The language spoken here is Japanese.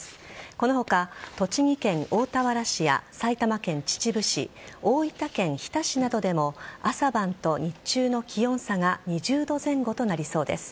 この他栃木県大田原市や埼玉県秩父市大分県日田市などでも朝晩と日中の気温差が２０度前後となりそうです。